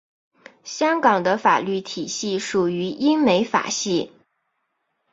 香港的法律体系属于英美法系。